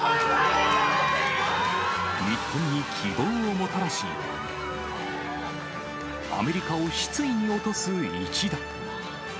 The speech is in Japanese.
日本に希望をもたらし、アメリカを失意に落とす一打。